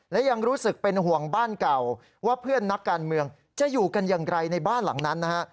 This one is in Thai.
และยังรู้สึกเป็นห่วงบ้านเก่าว่าเพื่อนนักการเมืองจะอยู่กันอย่างไรในบ้านหลังนั้นนะฮะ